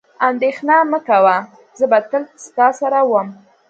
اندېښنه مه کوه، زه به تل ستا سره وم.